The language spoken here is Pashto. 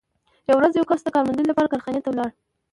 یوه ورځ یو کس د کار موندنې لپاره کارخانې ته ولاړ